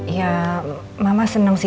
ya mama seneng sih